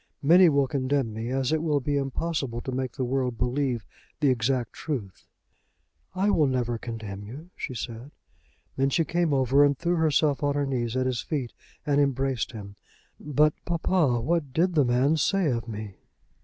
Many will condemn me, as it will be impossible to make the world believe the exact truth." "I will never condemn you," she said. Then she came over and threw herself on her knees at his feet, and embraced him. "But, papa, what did the man say of me?"